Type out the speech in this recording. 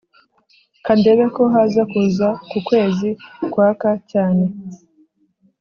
Kandebe ko hazakuza kukwezi kwaka cyane